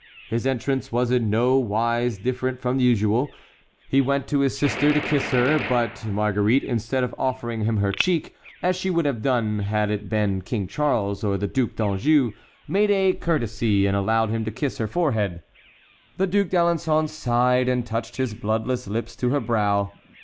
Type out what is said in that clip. His entrance was in no wise different from usual. He went to his sister to kiss her, but Marguerite, instead of offering him her cheek, as she would have done had it been King Charles or the Duc d'Anjou, made a courtesy and allowed him to kiss her forehead. The Duc d'Alençon sighed and touched his bloodless lips to her brow.